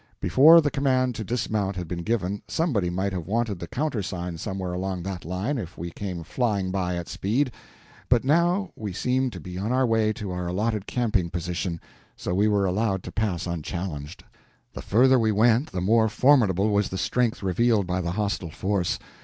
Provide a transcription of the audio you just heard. Before the command to dismount had been given, somebody might have wanted the countersign somewhere along that line if we came flying by at speed, but now we seemed to be on our way to our allotted camping position, so we were allowed to pass unchallenged. The further we went the more formidable was the strength revealed by the hostile force.